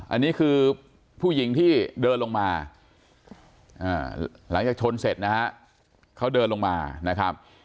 อันนี้คือผู้หญิงที่เดินลงมาหลังจากชนเสร็จนะฮะเขาเดินลงมานะครับ